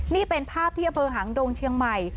นี่เป็นภาพที่อำเภอหางดงเชียงใหม่